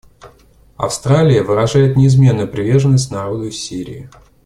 Австралия выражает неизменную приверженность народу Сирии.